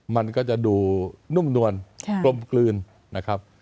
มันก็จะดูนุ่มนวลกลมกลืนนะครับ